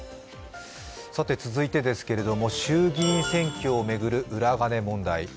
次ですけれども衆議院選挙を巡る裏金問題。